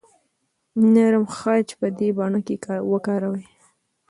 نرم خج دې په بڼه کې وکاروئ.